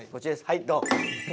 はいドン！